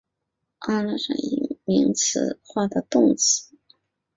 阿拉佩什语亦有名词化的动词。